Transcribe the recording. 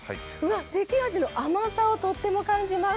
関あじの甘さをとっても感じます。